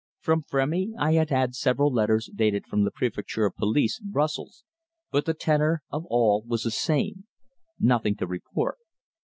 From Frémy I had had several letters dated from the Préfecture of Police, Brussels, but the tenor of all was the same nothing to report.